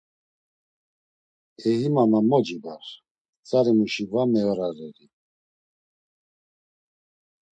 E him ama mocibar, tzarimuşi va meorari?